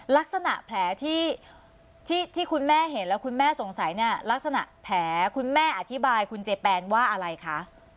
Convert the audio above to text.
ลักษณะแผลที่คุณแม่เห็นแล้วคุณแม่สงสัยเนี่ยลักษณะแผลคุณแม่อธิบายคุณเจแปนว่าอะไรคะ